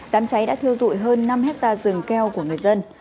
đám cháy đã thiêu dụi hơn năm hectare rừng keo của người dân